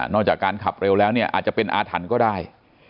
นอกจากการขับเร็วแหลวเนี่ยอาจจะเป็นอธรรมก็ได้